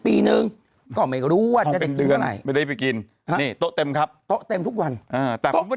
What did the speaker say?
ปีนึงก็ไม่ก็รู้ว่าเดี๋ยวไปกินกินครับต้นทุกวันแต่คุณ